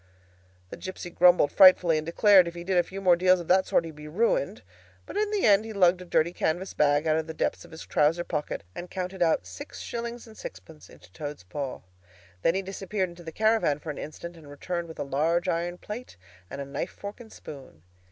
The gipsy grumbled frightfully, and declared if he did a few more deals of that sort he'd be ruined. But in the end he lugged a dirty canvas bag out of the depths of his trouser pocket, and counted out six shillings and sixpence into Toad's paw. Then he disappeared into the caravan for an instant, and returned with a large iron plate and a knife, fork, and spoon.